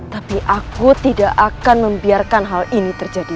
tapi aku tidak akan membiarkan hal ini terjadi